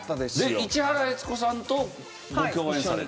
市原悦子さんとご共演されて。